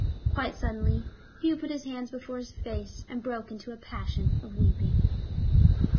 Quite suddenly Hugh put his hands before his face and broke into a passion of weeping.